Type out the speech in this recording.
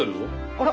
あら。